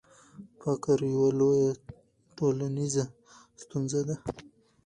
فقر یوه لویه ټولنیزه ستونزه ده.